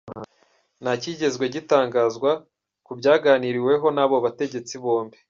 Nta kigezwe gitangazwa kubyaganiriweho n'abo bategetsi bombi.